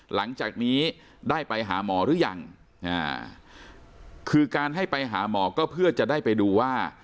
หลังจากนี้ได้ไปหาหมอหรือยังคือการให้ไปหาหมอก็เพื่อจะได้ไปดูว่า